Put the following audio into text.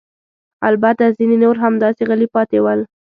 البته ځیني نور همداسې غلي پاتې ول.